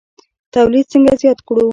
تولید څنګه زیات کړو؟